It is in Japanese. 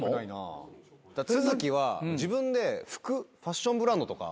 都築は自分で服ファッションブランドとか。